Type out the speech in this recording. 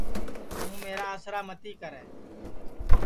توں میرا آسرا متی کرے